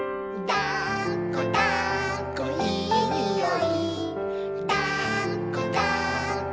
「だっこだっこいいにおい」